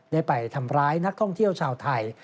ได้ไปทำร้ายนักท่องเที่ยวชาวไทย